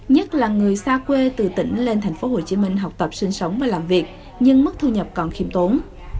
nhất là người xa quê từ tỉnh lên tp hcm học tập sinh sống và làm việc nhưng mức thu nhập còn khiêm tốn